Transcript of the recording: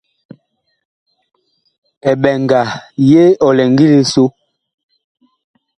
Eɓɛnga ye ɔ lɛ ngili so.